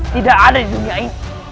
tidak ada di dunia itu